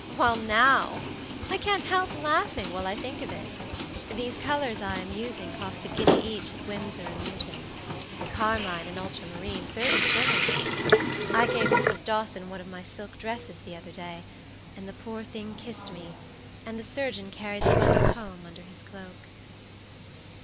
While nowI can't help laughing while I think of itthese colors I am using cost a guinea each at Winsor & Newton'sthe carmine and ultramarine thirty shillings. I gave Mrs. Dawson one of my silk dresses the other day, and the poor thing kissed me, and the surgeon carried the bundle home under his cloak."